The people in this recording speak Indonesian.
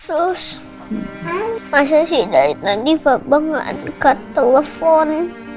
sus masa sih dari tadi papa gak angkat telepon